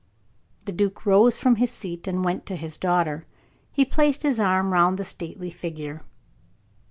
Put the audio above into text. The duke rose from his seat and went to his daughter. He placed his arm round the stately figure.